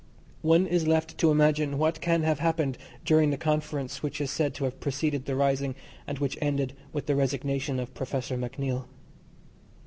One is left to imagine what can have happened during the conference which is said to have preceded the rising, and which ended with the resignation of Professor MacNeill.